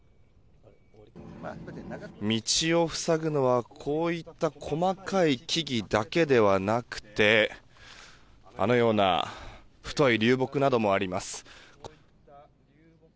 道を塞ぐのは、こういった細かい木々だけではなくてあのような太い流木などもあります。